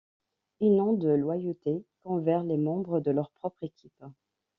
Ils n'ont de loyauté qu'envers les membres de leur propre équipe.